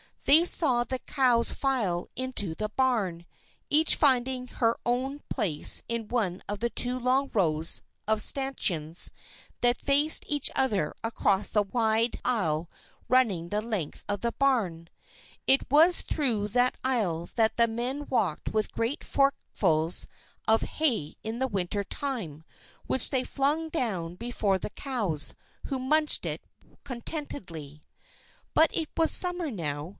They saw the cows file into the barn, each finding her own place in one of the two long rows of stanchions that faced each other across the wide aisle running the length of the barn. It was through that aisle that the men walked with great forkfuls of hay in the winter time, which they flung down before the cows, who munched it contentedly. But it was summer now.